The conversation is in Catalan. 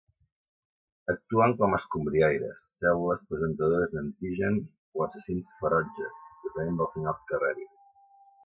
Actuen com a escombriaires, cèl·lules presentadores d'antigen o assassins ferotges, depenent dels senyals que rebin.